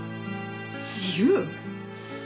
自由？